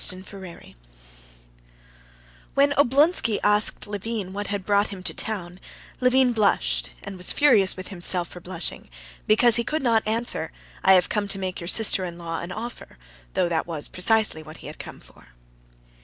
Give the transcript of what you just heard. Chapter 6 When Oblonsky asked Levin what had brought him to town, Levin blushed, and was furious with himself for blushing, because he could not answer, "I have come to make your sister in law an offer," though that was precisely what he had come for.